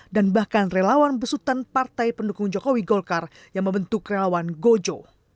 dan bahkan relawan besutan partai pendukung jokowi golkar yang membentuk relawan gojo